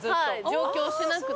上京してなくて。